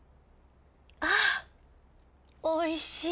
あおいしい。